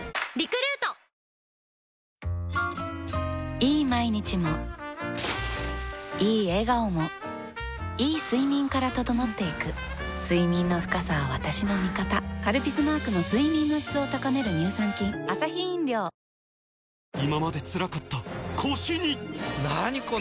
いい毎日もいい笑顔もいい睡眠から整っていく睡眠の深さは私の味方「カルピス」マークの睡眠の質を高める乳酸菌立つで立ちまっせ手貸してや。